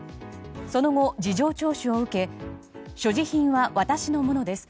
その後、事情聴取を受け所持品は私のものです。